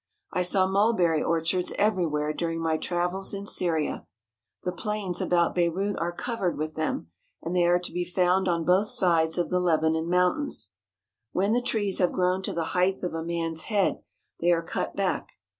I saw mulberry orchards every where during my travels in Syria. The plains about Beirut are covered with them, and they are to be found on both sides of the Lebanon Mountains. When the trees have grown to the height of a man's head, they are cut back.